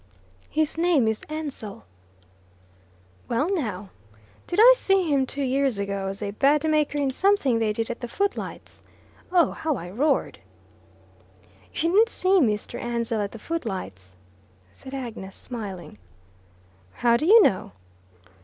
"His name is Ansell." "Well, now, did I see him two years ago as a bedmaker in something they did at the Foot Lights? Oh, how I roared." "You didn't see Mr. Ansell at the Foot Lights," said Agnes, smiling. "How do you know?"